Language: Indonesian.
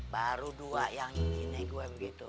baru dua yang ini gue begitu